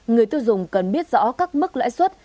người tiêu dùng cần biết rõ các mức lãi suất